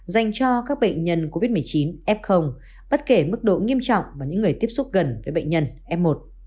dành cho các bệnh nhân covid một mươi chín f bất kể mức độ nghiêm trọng và những người tiếp xúc gần với bệnh nhân f một